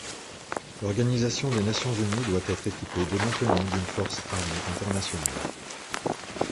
L’organisation des Nations unies doit être équipée dès maintenant d’une force armée internationale.